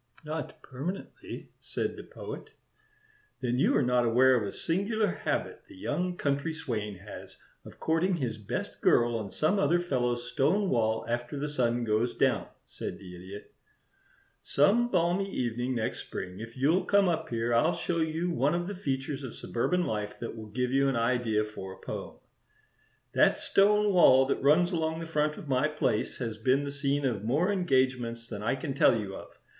"Not permanently," said the Poet. [Illustration: "'COURTING HIS BEST GIRL ON SOME OTHER FELLOW'S STONE WALL'"] "Then you are not aware of a singular habit the young country swain has of courting his best girl on some other fellow's stone wall after the sun goes down," said the Idiot. "Some balmy evening next spring, if you'll come up here I'll show you one of the features of suburban life that will give you an idea for a poem. That stone wall that runs along the front of my place has been the scene of more engagements than I can tell you of.